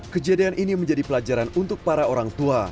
kejadian ini menjadi pelajaran untuk para orang tua